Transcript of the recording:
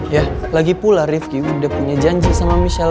ya lagi pula rifqi udah punya janji sama michelle